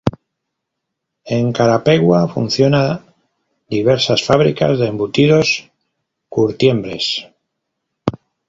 En Carapeguá funciona diversas fábricas de embutidos, curtiembres.